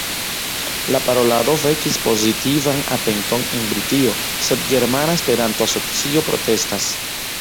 La parolado vekis pozitivan atenton en Britio, sed Germana Esperanto-Asocio protestas.